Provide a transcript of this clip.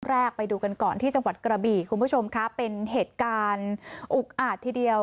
ไปดูกันก่อนที่จังหวัดกระบี่คุณผู้ชมค่ะเป็นเหตุการณ์อุกอาจทีเดียว